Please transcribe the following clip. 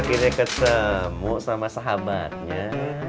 akhirnya ketemu sama sahabatnya